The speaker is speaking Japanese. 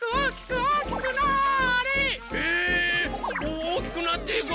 おおきくなっていく！